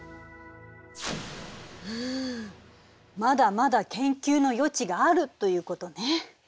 うんまだまだ研究の余地があるということね。